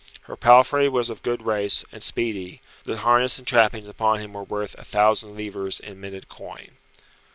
Her palfrey was of good race, and speedy; the harness and trappings upon him were worth a thousand livres in minted coin.